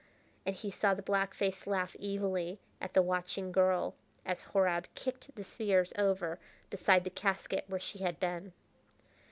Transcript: And he saw the black face laugh evilly at the watching girl as Horab kicked the spears over beside the casket where she had been.